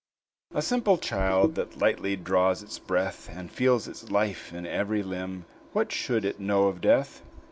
A simple child That lightly draws its breath, And feels its life in every limb, What should it know of death?